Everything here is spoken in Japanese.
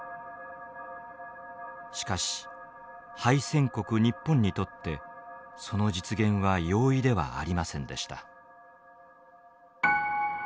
しかし敗戦国日本にとってその実現は容易ではありませんでした。